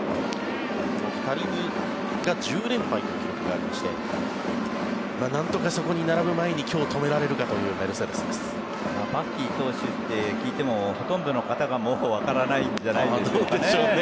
この２人が１０連敗という記録がありましてなんとかそこに並ぶ前に今日止められるかというバッキー投手って聞いてもほとんどの方がわからないんじゃないですかね。